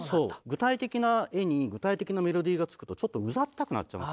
具体的な絵に具体的なメロディーがつくとちょっとうざったくなっちゃう。